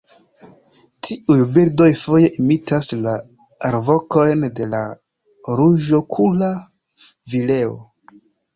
Tiuj birdoj foje imitas la alvokojn de la Ruĝokula vireo.